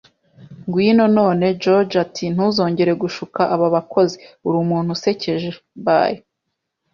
Ngwino, none George, ati: "ntuzongera gushuka aba bakozi. Uri umuntu usekeje, by